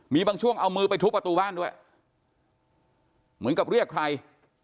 มีบางช่วงเอามือไปทุบประตูบ้านด้วยเหมือนกับเรียกใคร